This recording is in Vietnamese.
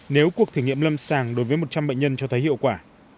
nếu cuộc thử nghiệm lâm sàng đối với một trăm linh bệnh nhân cho thấy hiệu quả